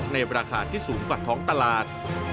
ในราคาที่สูงกว่าท้องตลาด